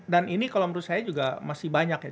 dan ini kalau menurut saya juga masih banyak ya